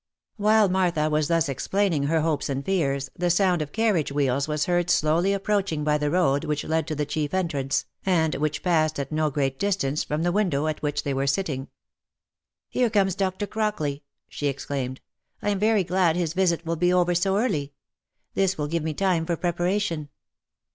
"While Martha was thus explaining her hopes and fears, the sound of carriage wheels was heard slowly approaching by the road which led to the chief entrance, and which passed at no great distance from the window at which they were sitting. " Here comes Dr. Crockley !" she exclaimed ;" I am very glad his visit will be over so early. This will give me time for preparation."